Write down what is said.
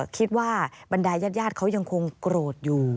คิดว่าบันไดญาติญาติเขายังคงโกรธอยู่